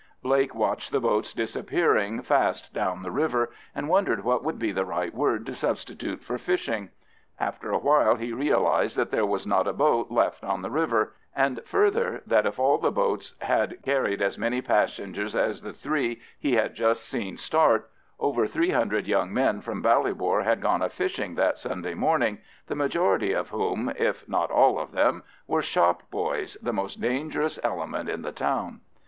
Blake watched the boats disappearing fast down the river, and wondered what would be the right word to substitute for fishing. After a while he realised that there was not a boat left on the river, and, further, that if all the boats had carried as many passengers as the three he had just seen start, over three hundred young men from Ballybor had gone a fishing that Sunday morning, the majority of whom, if not all of them, were shop boys, the most dangerous element in the town.